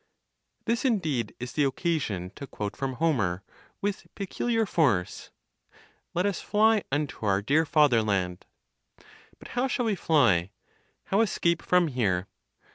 This indeed is the occasion to quote (from Homer) with peculiar force, "Let us fly unto our dear fatherland!" But how shall we fly? How escape from here?